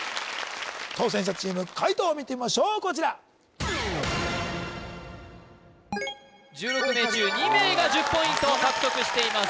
挑戦者チーム解答を見てみましょうこちら１６名中２名が１０ポイントを獲得しています